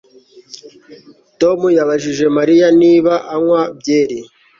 Tom yabajije Mariya niba anywa byeri